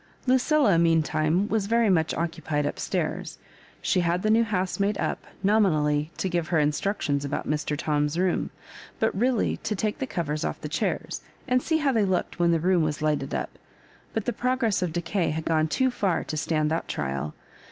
Lucilla meantime was very much occupied up stairs. She had the new housemaid up nominally to give her instructions about Mr. Tom's room, but really to take the covers off the chairs, and see how they looked when the room was lighted up : but the progress of decay had gone too far to stand that trial.